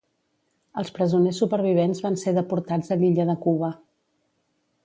Els presoners supervivents van ser deportats a l'illa de Cuba.